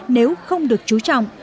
nếu không được chú trọng